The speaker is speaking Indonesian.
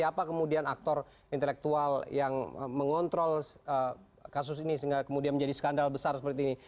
apa kemudian aktor intelektual yang mengontrol kasus ini sehingga kemudian menjadi skandal besar seperti ini